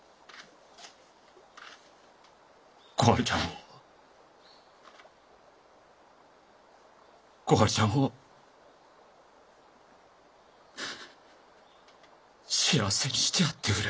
小春ちゃんを小春ちゃんを幸せにしてやってくれ。